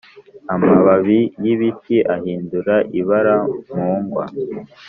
amababi yibiti ahindura ibara mugwa.